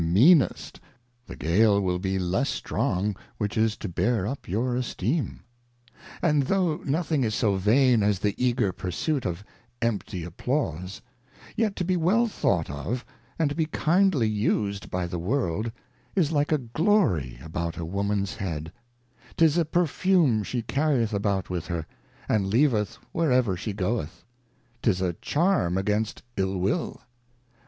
meanest, the Gale will be less strong which is to bear up your Esteem. And though nothing is so vain as the eager pursuit of empty Applause, yet to be well thought of, and to be kindly used by the World, is like a Glory about a Womans Hea^ 'tis a Perfume she carrieth about with her, and leaveth where ever she goeth ; 'tis a' Charm against Ill will.